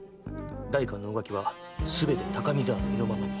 代官の大垣はすべて高見沢の意のままに。